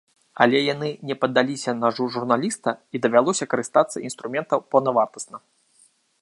Але яны не паддаліся нажу журналіста і давялося карыстацца інструментам паўнавартасна.